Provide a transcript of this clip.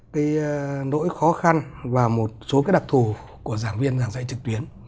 cái nỗi khó khăn và một số cái đặc thù của giảng viên giảng dạy trực tuyến